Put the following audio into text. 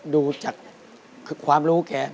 ดูจากความรู้แก